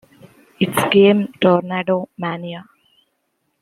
Its game Tornado Mania!